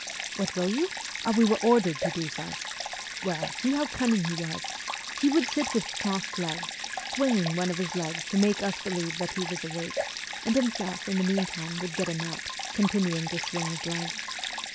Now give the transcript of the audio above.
... What will you ? we were ordered to do so !... Well, see how cunning he was : he would sit with crossed legs, swinging one of his legs to make us believe that he was awake, and himself, in the meantime, would get a nap, continuing to swing his leg.